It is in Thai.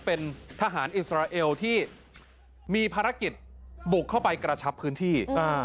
เป็นทหารอิสราเอลที่มีภารกิจบุกเข้าไปกระชับพื้นที่